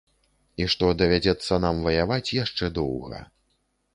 І што давядзецца нам ваяваць яшчэ доўга.